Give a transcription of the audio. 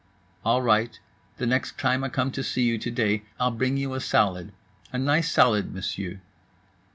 "All right, the next time I come to see you to day I'll bring you a salad, a nice salad, Monsieur."